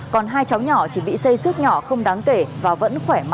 còn hai cháu nhỏ chỉ bị xây xước nhỏ không đáng kể và vẫn khỏe mạnh ở nhà